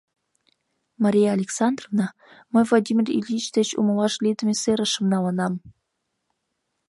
— Мария Александровна, мый Владимир Ильич деч умылаш лийдыме серышым налынам.